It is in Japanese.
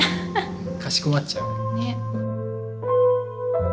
かしこまっちゃう。